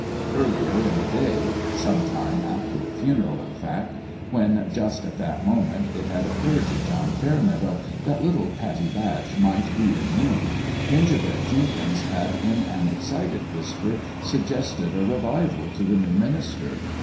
" Earlier in the day some time after the funeral, in fact, when, just at that moment, it had occurred to John Fair meadow that little Pattie Batch might be in need Gingerbread Jenkins had in an excited whisper suggested a revival to the new minister.